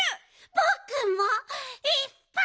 ぼっくんもいっぱい！